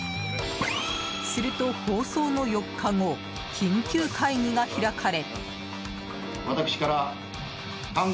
すると放送の４日後緊急会議が開かれ。